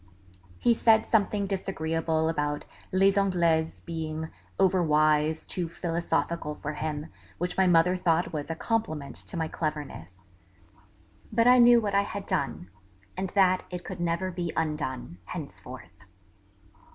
He said something disagreeable about Les Anglaises being over wise, too philosophical for him, which my mother thought was a compliment to my cleverness. But I knew what I had done, and that it could never be undone, henceforth